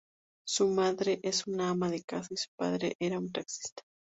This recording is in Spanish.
Su madre es una ama de casa y su padre era un taxista.